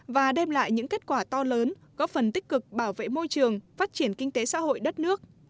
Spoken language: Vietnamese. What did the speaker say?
và đem lại những kết quả to lớn góp phần tích cực bảo vệ môi trường phát triển kinh tế xã hội đất nước